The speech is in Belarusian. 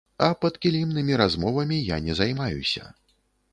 А падкілімнымі размовамі я не займаюся.